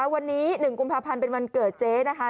วันนี้๑กุมภาพันธ์เป็นวันเกิดเจ๊นะคะ